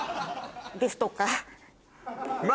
ですとか。